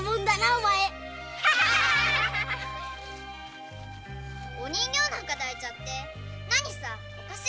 お人形なんか抱いちゃってお貸し！